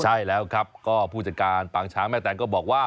ใช่แล้วครับก็ผู้จัดการปางช้างแม่แตงก็บอกว่า